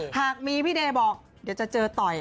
หากมีพี่เดย์บอกเดี๋ยวจะเจอต่อย